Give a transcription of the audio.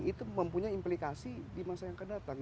itu mempunyai implikasi di masa yang kedatang